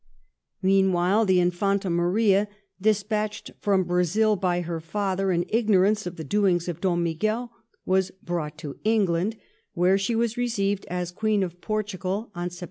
Meanwhile, the Infanta Maria, dispatched from Brazil by her father in ignorance of the doings of Dom Miguel, was brought to England, where she was received as Queen of Portugal (Sept.